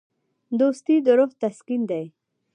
دوستي د روح تسکین دی.